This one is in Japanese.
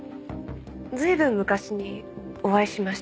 随分昔にお会いしました。